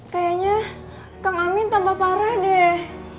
kayaknya kang amin tambah parah deh